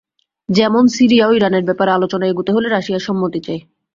যেমন, সিরিয়া ও ইরানের ব্যাপারে আলোচনা এগোতে হলে রাশিয়ার সম্মতি চাই।